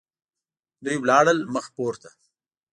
دوی ولاړل مخ پورته.